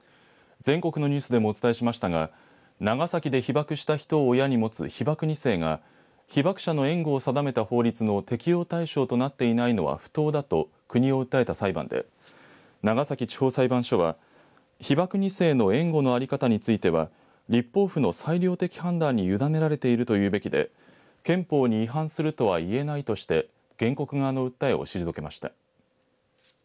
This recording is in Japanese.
全国のニュースでもお伝えしましたが長崎で被爆した人を親に持つ被爆２世が被爆者の援護を定めた法律の適用対象となっていないのは不当だと国を訴えた裁判で長崎地方裁判所は被爆２世の援護の在り方については立法府の裁量的判断に委ねられているというべきで憲法に違反するとはいえないとして原告側の訴えを退けました。